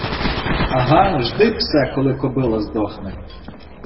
ага жди, псе, коли кобила здохне